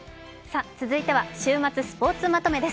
続いては「週末スポーツまとめ」です。